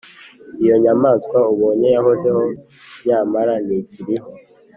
Iyo nyamaswa ubonye yahozeho nyamara ntikiriho,